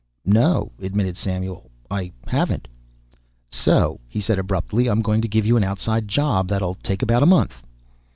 "No," admitted Samuel; "I haven't." "So," he said abruptly "I'm going to give you an outside job that'll take about a month."